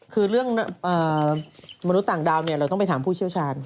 คือเรื่องมนุษย์ต่างดาวเราต้องไปถามผู้เชี่ยวชาญ